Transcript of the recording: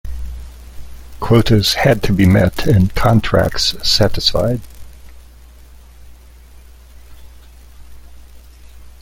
Quotas had to be met and contracts satisfied.